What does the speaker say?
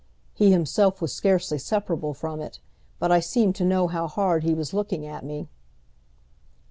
He himself was scarcely separable from it, but I seemed to know how hard he was looking at me.